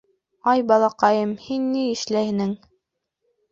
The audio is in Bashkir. — Ай, балаҡайым, һин ни эшләнең?